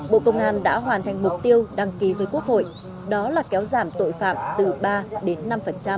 bộ công an đã hoàn thành mục tiêu đăng ký với quốc hội đó là kéo giảm tội phạm từ ba đến năm